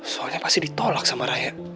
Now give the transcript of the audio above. soalnya pasti ditolak sama rakyat